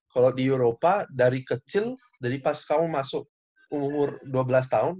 kalau di eropa dari kecil jadi pas kamu masuk umur dua belas tahun